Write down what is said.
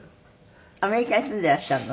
アメリカに住んでいらっしゃるの？